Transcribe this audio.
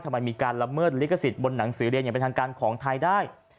มีการละเมิดลิขสิทธิ์บนหนังสือเรียนอย่างเป็นทางการของไทยได้